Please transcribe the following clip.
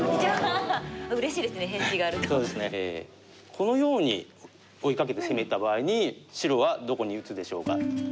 このように追いかけて攻めた場合に白はどこに打つでしょうか？